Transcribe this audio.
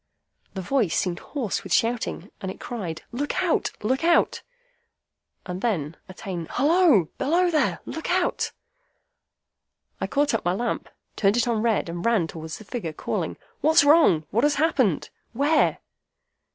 The voice seemed hoarse with shouting, and it cried, 'Look out! Look out!' And then again, 'Halloa! Below there! Look out!' I caught up my lamp, turned it on red, and ran towards the figure, calling, 'What's wrong? What has happened? Where?